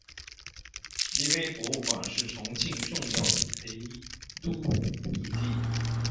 史迪威博物馆是重庆重要的陪都遗迹。